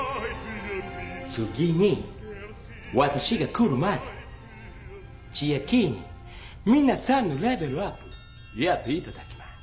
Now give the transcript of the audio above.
次にわたしが来るまで千秋に皆さんのレベルアップやっていただきます。